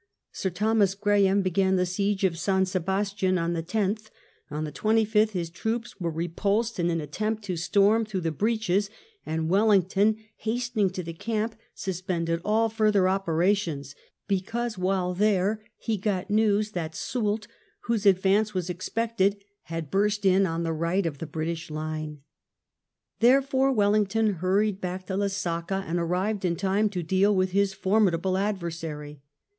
Sir Thomas Graham began the siege of San Sebastian on the 10th; on the 25th his troops were repulsed in an attempt to storm through the breaches, and Wellington hastening to the camp suspended all further operations, because while there he got the news that Soult^ whose advance was expected, had burst in on the right of the British line. Therefore Wellington hurried back to Lesaca^ and arrived in time to deal with his formidable adversary.